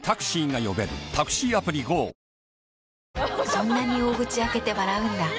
そんなに大口開けて笑うんだ。